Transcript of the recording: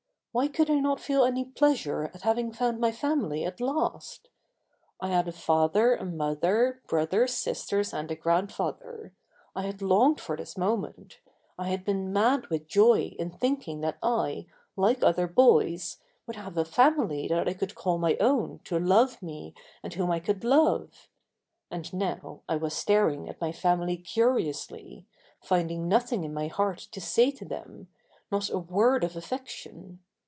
Why could I not feel any pleasure at having found my family at last. I had a father, a mother, brothers, sisters and a grandfather. I had longed for this moment, I had been mad with joy in thinking that I, like other boys, would have a family that I could call my own to love me and whom I could love.... And now I was staring at my family curiously, finding nothing in my heart to say to them, not a word of affection.